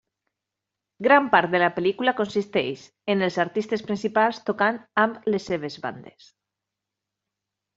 Gran part de la pel·lícula consisteix en els artistes principals tocant amb les seves bandes.